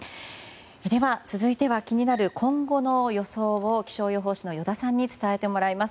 続いては気になる今後の予想を気象予報士の依田さんに伝えてもらいます。